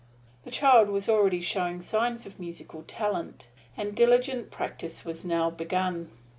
The child was already showing signs of musical talent; and diligent practise was now begun.